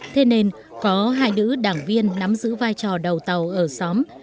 thế nên có hai nữ đảng viên nắm giữ vai trò đầu tàu ở xóm